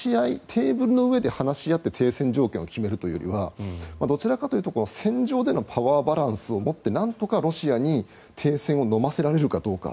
テーブルの上で話し合って停戦条件を決めるというよりはどちらかというと戦場でのパワーバランスをもってなんとかロシアに停戦をのませられるかどうか。